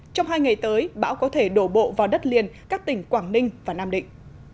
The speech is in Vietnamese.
trong hai ngày tới bão có thể đổ bộ vào đất liền các tỉnh quảng ninh và nam định